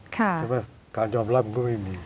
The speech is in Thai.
ใช่ไหมการยอมรับมันก็ไม่มี